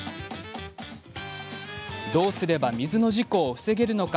どうすれば水の事故を防げるのか。